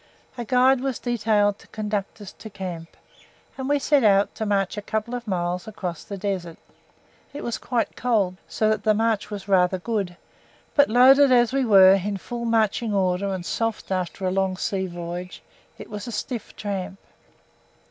A guide was detailed to conduct us to camp, and we set out to march a couple of miles across the desert. It was quite cold, so that the march was rather good; but, loaded as we were, in full marching order and soft after a long sea voyage, it was a stiff tramp.